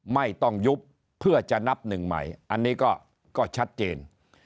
ไม่ต้องยุบเพื่อจะนับหนึ่งใหม่อันนี้ก็ชัดเจน